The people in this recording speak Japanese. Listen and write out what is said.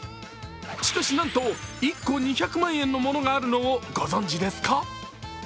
しかし、なんと１個２００万円の桃があるのをご存じですか？